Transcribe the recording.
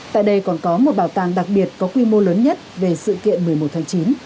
tại đây còn có một bảo tàng đặc biệt có quy mô lớn nhất về sự kiện một mươi một tháng chín